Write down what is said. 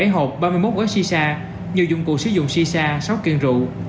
một mươi bảy hộp ba mươi một gói shisha nhiều dụng cụ sử dụng shisha sáu kiên rượu